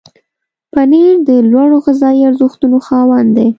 پنېر د لوړو غذایي ارزښتونو خاوند دی.